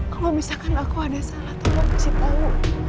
kalau misalkan aku ada salah tolong kasih tau